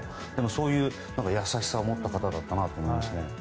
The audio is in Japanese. そういう優しさを持った方だなと思いますね。